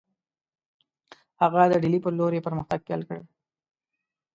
هغه د ډهلي پر لور یې پرمختګ پیل کړی.